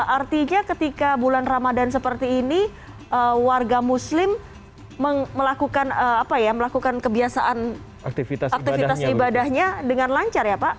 artinya ketika bulan ramadan seperti ini warga muslim melakukan kebiasaan aktivitas ibadahnya dengan lancar ya pak